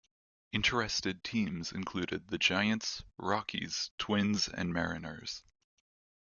Interested teams included the Giants, Rockies, Twins, and Mariners.